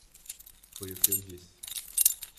Foi o que eu disse.